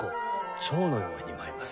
蝶のように舞います。